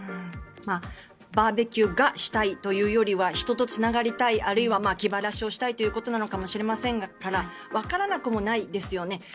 バーベキューがしたいというよりは人とつながりたいあるいは気晴らしをしたいということなのかもしれませんからわからなくもないですよね。